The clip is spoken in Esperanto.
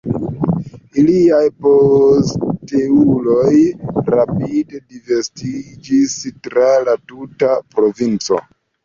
Iliaj posteuloj rapide disvastiĝis tra la tuta provinco.